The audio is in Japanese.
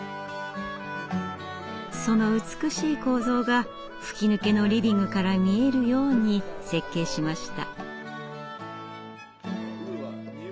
その美しい構造が吹き抜けのリビングから見えるように設計しました。